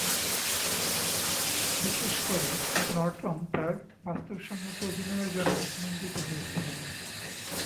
বিশেষ করে নর্টন তার বাস্তবসম্মত অভিনয়ের জন্য নন্দিত হয়েছিলেন।